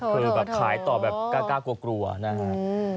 คือแบบขายต่อแบบกล้ากล้ากลัวกลัวนะครับ